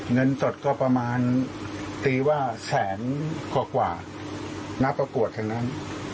เงินสดก็ประมาณตีว่าแสนกว่าณประกวดแห่งนั้น